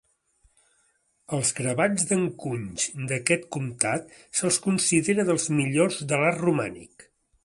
Els gravats d'encunys d'aquest comtat se'ls considera dels millors de l'art romànic.